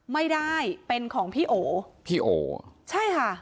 ไม่ได้เป็นของพี่โอพี่โอใช่ค่ะ